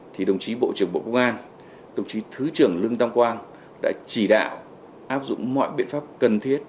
thì đồng chí bộ trưởng bộ công an đồng chí thứ trưởng lương tam quang đã chỉ đạo áp dụng mọi biện pháp cần thiết